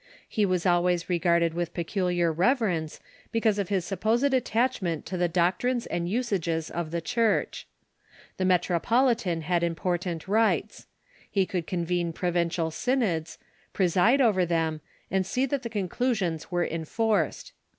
He was always regarded with peculiar reverence, because of his supposed attachment to the doctrines and usages of the Church. The metropolitan had important rights. He could convene provincial synods, preside over them, and see that the conclusions were enforced.